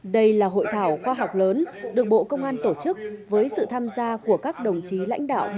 đây là hội thảo khoa học lớn được bộ công an tổ chức với sự tham gia của các đồng chí lãnh đạo